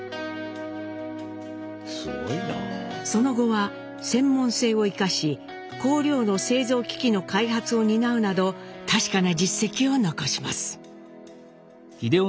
その後は専門性を生かし香料の製造機器の開発を担うなど確かな実績を残します。